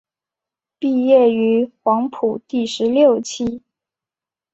毕业于黄埔第十六期。